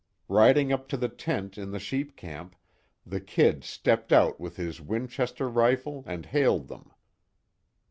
Riding up to the tent in the sheep camp, the "Kid" stepped out with his Winchester rifle, and hailed them.